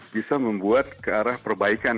bisa membuat kearah perbaikan